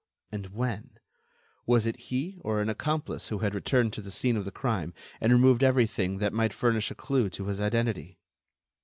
And when? Was it he or an accomplice who had returned to the scene of the crime and removed everything that might furnish a clue to his identity?